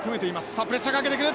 さあプレッシャーかけていく！